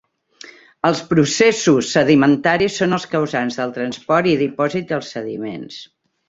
Els processos sedimentaris són els causants del transport i dipòsit dels sediments.